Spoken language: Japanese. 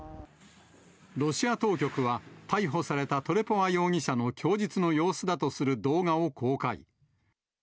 ロシア当局は、逮捕されたトレポワ容疑者の供述の様子だとする動画を公開。